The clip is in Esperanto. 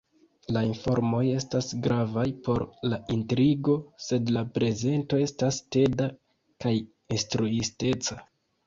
La informoj estas gravaj por la intrigo, sed la prezento estas teda kaj instruisteca.